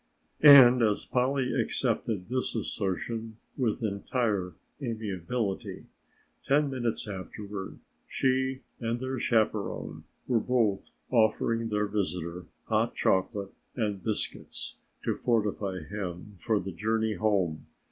And, as Polly accepted this assertion with entire amiability, ten minutes afterward she and their chaperon were both offering their visitor hot chocolate and biscuits to fortify him for the journey home.